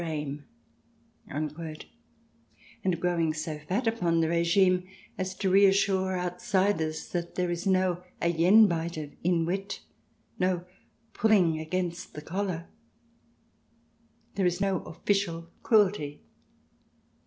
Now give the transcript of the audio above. v ambition, hope, or aim," and growing so fat upon the regime as to reassure outsiders that there is no " ayenbite of inwyt "— no pulling against the collar. There is no official cruelty.